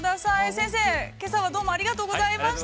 先生けさはどうもありがとうございました。